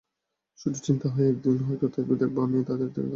শুধু চিন্তা হয় একদিন হয়ত দেখব আমি তাদের থেকেও খারাপ হয়ে গেছি।